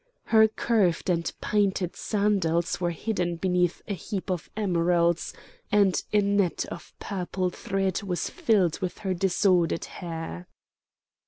Her curved and painted sandals were hidden beneath a heap of emeralds, and a net of purple thread was filled with her disordered hair.